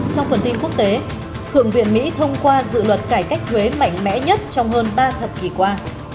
trong phần tin quốc tế thượng viện mỹ thông qua dự luật cải cách thuế mạnh mẽ nhất trong hơn ba thập kỷ qua